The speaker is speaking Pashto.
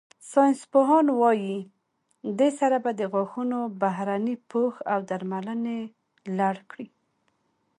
ساینسپوهان وايي، دې سره به د غاښونو بهرني پوښ او درملنې لړ کې